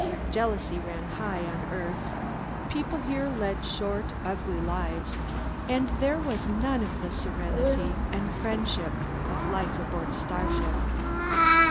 Jealousy ran high on Earth; people here led short ugly lives, and there was none of the serenity and friendliness of life aboard a starship.